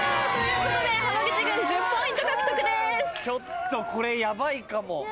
ちょっとこれヤバいかも。